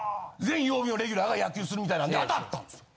全曜日のレギュラーが野球するみたいなんで当たったんですよ。